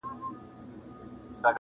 نور له زړه څخه ستا مینه سم ایستلای -